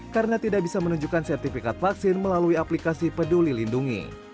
karena tidak bisa menunjukkan sertifikat vaksin melalui aplikasi peduli lindungi